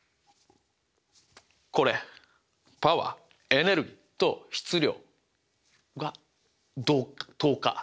パワーエネルギーと質量が等価。